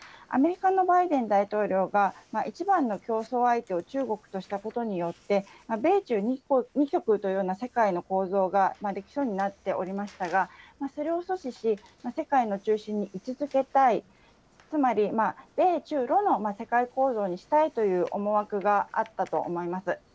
アメリカのバイデン大統領が一番の競争相手を中国としたことによって、米中二極というような世界の構造が出来そうになっておりましたが、それを阻止し、世界の中心に位置づけたい、つまり米中ロの世界構造にしたいという思惑があったと思います。